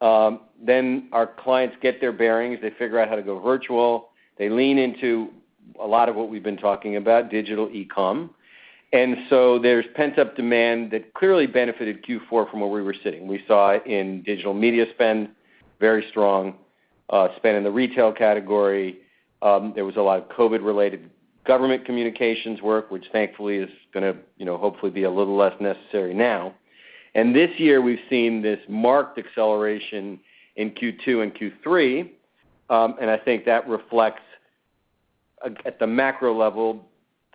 Our clients get their bearings, they figure out how to go virtual. They lean into a lot of what we've been talking about, digital e-com. There's pent-up demand that clearly benefited Q4 from where we were sitting. We saw it in digital media spend, very strong spend in the retail category. There was a lot of COVID-related government communications work, which thankfully is going to hopefully be a little less necessary now. This year we've seen this marked acceleration in Q2 and Q3. I think that reflects, at the macro level,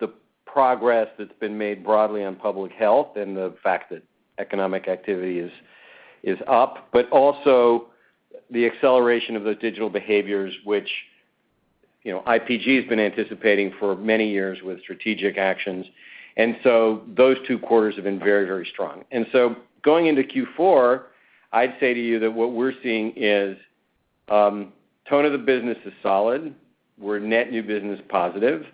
the progress that's been made broadly on public health and the fact that economic activity is up, but also the acceleration of those digital behaviors, which IPG has been anticipating for many years with strategic actions. Those two quarters have been very, very strong. Going into Q4, I'd say to you that what we're seeing is tone of the business is solid. We're net new business positive,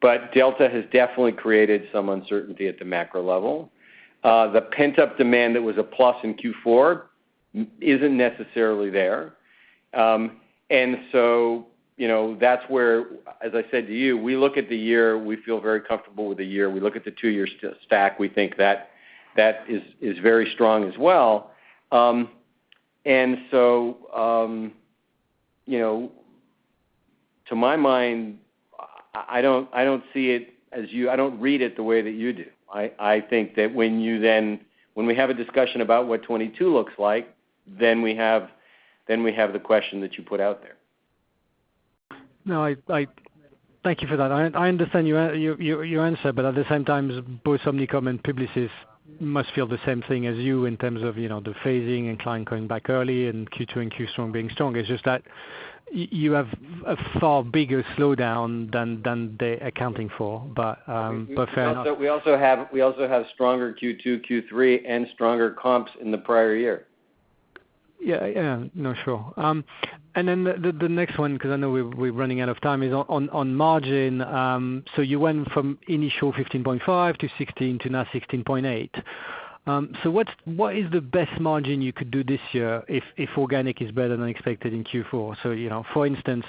but Delta has definitely created some uncertainty at the macro level. The pent-up demand that was a plus in Q4 isn't necessarily there. That's where, as I said to you, we look at the year, we feel very comfortable with the year. We look at the 2-year stack, we think that is very strong as well. To my mind, I don't see it as you. I don't read it the way that you do. I think that when we have a discussion about what 2022 looks like, then we have the question that you put out there. No, thank you for that. I understand your answer. At the same time, both Omnicom and Publicis must feel the same thing as you in terms of the phasing and client going back early and Q2 and Q1 being strong. It's just that you have a far bigger slowdown than they're accounting for. Fair enough. We also have stronger Q2, Q3, and stronger comps in the prior year. Yeah. No, sure. The next one, because I know we're running out of time, is on margin. You went from initial 15.5% to 16% to now 16.8%. What is the best margin you could do this year if organic is better than expected in Q4? For instance,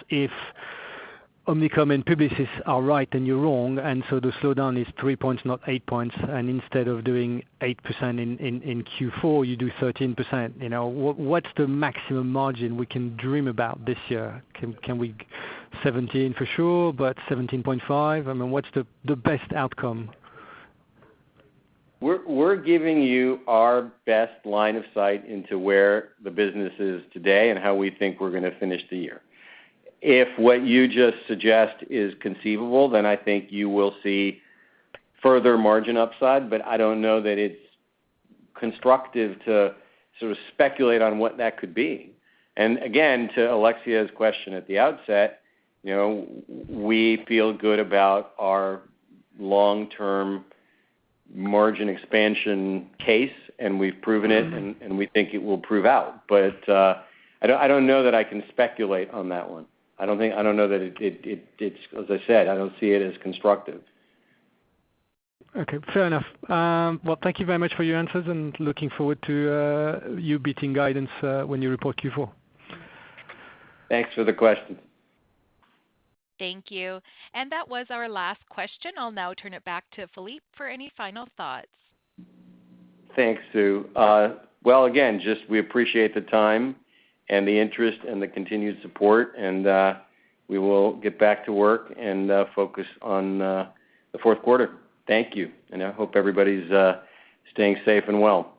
if Omnicom and Publicis are right and you're wrong, the slowdown is 3 points, not 8 points, and instead of doing 8% in Q4, you do 13%, what's the maximum margin we can dream about this year? Can we 17% for sure, 17.5%? What's the best outcome? We're giving you our best line of sight into where the business is today and how we think we're going to finish the year. If what you just suggest is conceivable, then I think you will see further margin upside, but I don't know that it's constructive to sort of speculate on what that could be. Again, to Alexia's question at the outset, we feel good about our long-term margin expansion case, and we've proven it, and we think it will prove out. I don't know that I can speculate on that one. As I said, I don't see it as constructive. Okay. Fair enough. Well, thank you very much for your answers and looking forward to you beating guidance when you report Q4. Thanks for the question. Thank you. That was our last question. I'll now turn it back to Philippe for any final thoughts. Thanks, Sue. Well, again, just we appreciate the time and the interest and the continued support. We will get back to work and focus on the fourth quarter. Thank you. I hope everybody's staying safe and well.